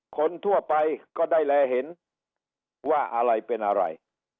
คนทั่วไปก็ได้แลเห็นว่าอะไรเป็นอะไร